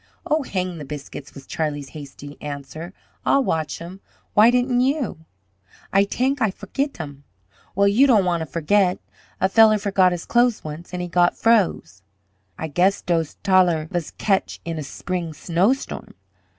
"Oh, hang the biscuits!" was Charlie's hasty answer. "I'll watch 'em. Why didn't you?" "Ay tank Ay fergit hem." "Well, you don't want to forget. A feller forgot his clothes once, an' he got froze." "Ay gass dose taller vas ketch in a sbring snowstorm.